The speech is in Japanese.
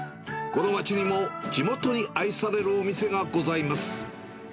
この街にも地元に愛されるお店がございます。